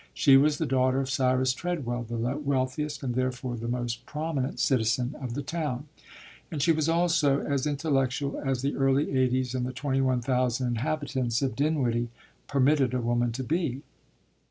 She was the daughter of Cyrus Treadwell, the wealthiest and therefore the most prominent citizen of the town, and she was also as intellectual as the early eighties and the twenty one thousand inhabitants of Dinwiddie permitted a woman to be.